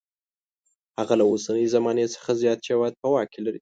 هغه له اوسنۍ زمانې څخه زیات شواهد په واک کې لري.